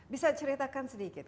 bisa diceritakan sedikit